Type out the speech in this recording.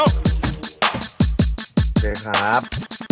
โอเคครับ